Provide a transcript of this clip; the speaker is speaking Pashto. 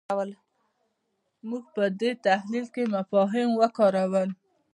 موږ په دې تحلیل کې مفاهیم وکارول.